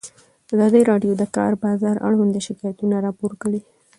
ازادي راډیو د د کار بازار اړوند شکایتونه راپور کړي.